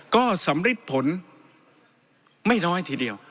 ก็สำริดผลไม่น้อยทีเดียว